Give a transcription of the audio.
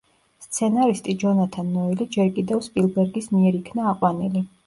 სცენარისტი ჯონათან ნოელი ჯერ კიდევ სპილბერგის მიერ იქნა აყვანილი.